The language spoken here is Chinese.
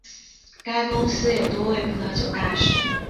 该公司有多位葡萄酒大师。